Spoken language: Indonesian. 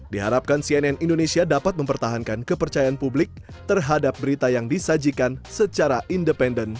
diharapkan cnn indonesia dapat mempertahankan kepercayaan publik terhadap berita yang disajikan secara independen